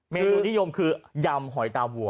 เมนูนิยมคือยำหอยตาวัว